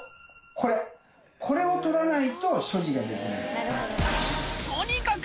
これこれを取らないと所持ができないと。